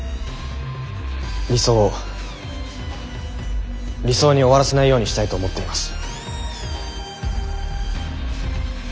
理想を理想に終わらせないようにしたいと思っています。